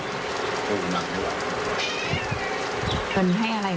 ผู้หุ่นหลังให้หลัง